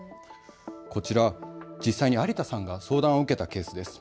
こちら実際に有田さんが相談を受けたケースです。